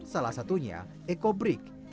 salah satunya eco break